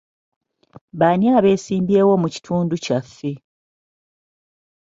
Baani abeesimbyewo mu kitundu kyaffe?